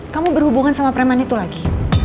kamu berhubungan sama preman itu lagi